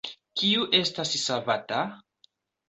Kiu estas savata?